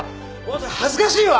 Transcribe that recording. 恥ずかしいわ！